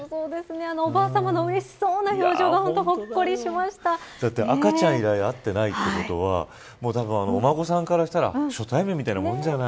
おばあさまのうれしそうな表情が赤ちゃん以来会っていないということはお孫さんからしたら初対面みたいなものじゃない。